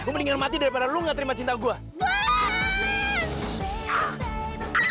gue mendingan mati daripada lo gak terima cinta gue